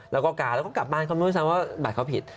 แล้วก็กาแล้วก็กลับบ้านเขาไม่รู้ซ้ำว่าบัตรเขาผิด